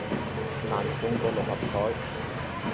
難中過六合彩